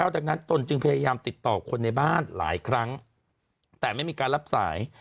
จากนั้นตนจึงพยายามติดต่อคนในบ้านหลายครั้งแต่ไม่มีการรับสาย